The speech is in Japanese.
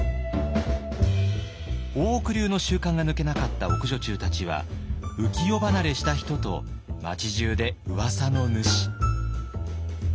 大奥流の習慣が抜けなかった奥女中たちは浮世離れした人と町じゅうでうわさの主。